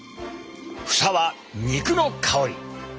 房は肉の香り！